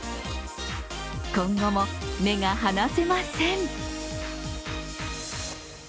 今後も目が離せません。